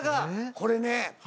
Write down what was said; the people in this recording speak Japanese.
これね。